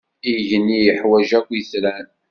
Igenni iḥwaǧ akk itran.